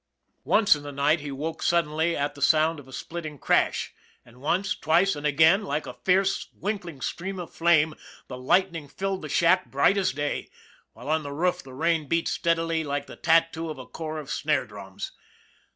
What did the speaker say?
Once in the night he woke suddenly at the sound of a splitting crash, and once, twice, and again, like a fierce, winking stream of flame, the lightning filled the shack bright as day, while on the roof the rain beat steadily like the tattoo of a corps of snare drums.